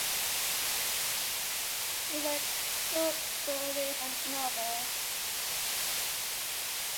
She writes short stories and novels.